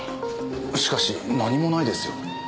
しかし何もないですよ。